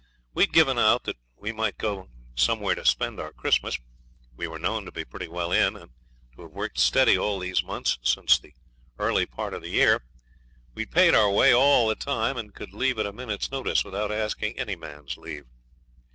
We'd given out that we might go somewhere to spend our Christmas. We were known to be pretty well in, and to have worked steady all these months since the early part of the year. We had paid our way all the time, and could leave at a minute's notice without asking any man's leave.